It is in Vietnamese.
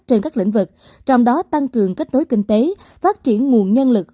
trên các lĩnh vực trong đó tăng cường kết nối kinh tế phát triển nguồn nhân lực